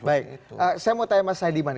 baik saya mau tanya mas saidiman